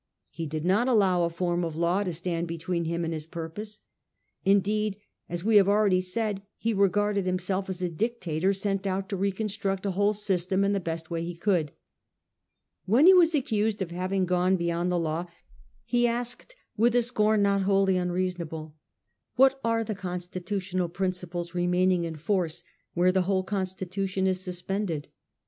He did not allow a form of law to stand between him and his purpose. Indeed, as we have already said, he re garded himself as a dictator sent out to reconstruct a whole system in the best way he could. When he was accused of having gone beyond the law, he asked with a scorn not wholly unreasonable: 'What are the constitutional principles remaining in force where the whole constitution is suspended